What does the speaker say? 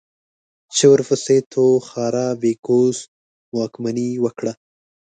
چې ورپسې توخارا يبگوس واکمني وکړه.